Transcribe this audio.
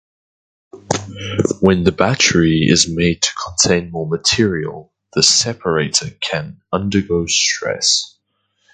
When the battery is made to contain more material, the separator can undergo stress.